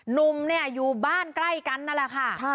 หนุ่มเนี่ยอยู่บ้านใกล้กันนั่นแหละค่ะ